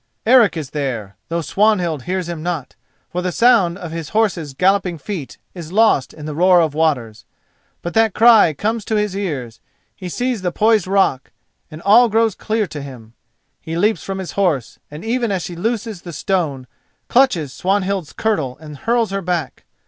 Eric is there, though Swanhild hears him not, for the sound of his horse's galloping feet is lost in the roar of waters. But that cry comes to his ears, he sees the poised rock, and all grows clear to him. He leaps from his horse, and even as she looses the stone, clutches Swanhild's kirtle and hurls her back.